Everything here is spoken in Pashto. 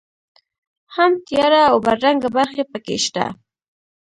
هم تیاره او بدرنګه برخې په کې شته.